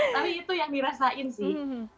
tapi itu yang dirasain sih